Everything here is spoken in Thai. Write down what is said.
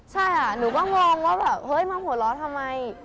ใช่ค่ะหนูก็งงว่าแบบเฮ้ยมาหัวเราะทำไม